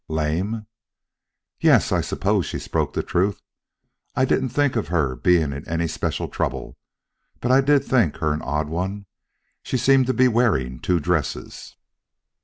"Lame?" "Yes; I suppose she spoke the truth. I didn't think of her being in any special trouble, but I did think her an odd one. She seemed to be wearing two dresses."